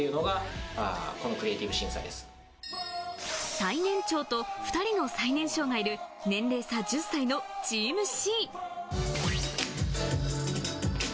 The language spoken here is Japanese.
最年長と２人の最年少がいる年齢差１０歳のチームＣ。